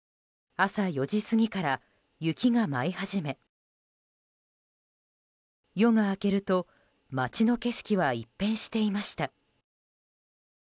朝４時過ぎから雪が舞い始め夜が明けると街の景色は一変していました。